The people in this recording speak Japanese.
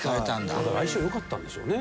相性良かったんでしょうね。